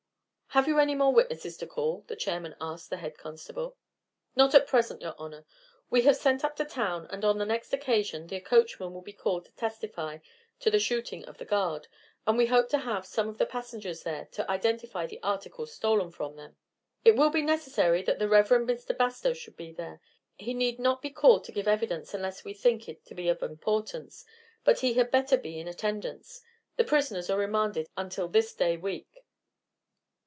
"Have you any more witnesses to call?" the chairman asked the head constable. "Not at present, your honor. We have sent up to town, and on the next occasion the coachman will be called to testify to the shooting of the guard, and we hope to have some of the passengers there to identify the articles stolen from them." "It will be necessary that the Rev. Mr. Bastow should be here. He need not be called to give evidence unless we think it to be of importance, but he had better be in attendance. The prisoners are remanded until this day week."